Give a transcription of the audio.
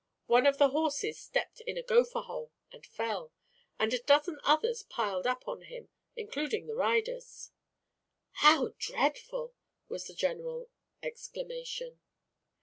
One of the horses stepped in a gopher hole and fell, and a dozen others piled up on him, including their riders." "How dreadful!" was the general exclamation.